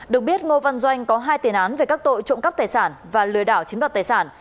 được biết ngô văn doanh có hai tiền án về các tội trộm cắp tài sản và lừa đảo chiếm đoạt tài sản